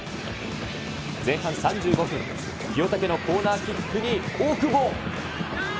前半３５分、清武のコーナーキックに大久保。